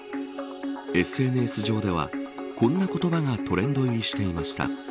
ＳＮＳ上ではこんな言葉がトレンド入りしていました。